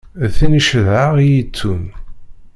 D tin i cedheɣ i yi-ittun.